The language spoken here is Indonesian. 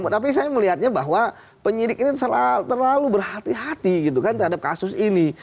tapi saya melihatnya bahwa penyidik ini terlalu berhati hati gitu kan terhadap kasus ini